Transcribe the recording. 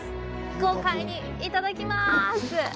豪快にいただきます。